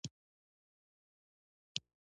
اقتصادي پرمختګ د ټولنې هیلې پیاوړې کوي.